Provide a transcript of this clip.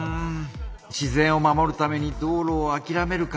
自然を守るために道路をあきらめるか？